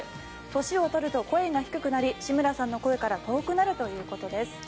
年を取ると声が低くなり志村さんの声から遠くなるということです。